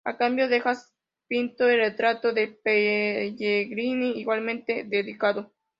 A cambio, Degas pintó el retrato de Pellegrini, igualmente dedicado.